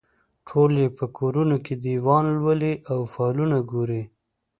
ټول یې په کورونو کې دیوان لولي او فالونه ګوري.